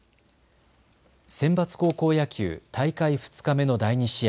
センバツ高校野球、大会２日目の第２試合。